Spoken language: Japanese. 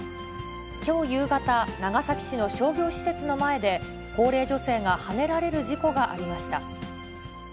きょう夕方、長崎市の商業施設の前で、高齢女性がはねられる事故がありました。